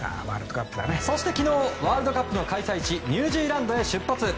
そして昨日ワールドカップの開催地ニュージーランドへ出発。